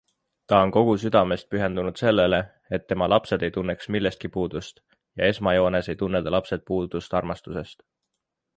Ta on kogu südamest pühendunud sellele, et tema lapsed ei tunneks millestki puudust - ja esmajoones ei tunne ta lapsed puudust armastusest.